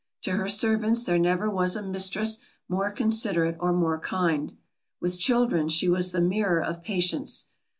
To her servants there never was a mistress more considerate or more kind. With children she was the mirror of patience.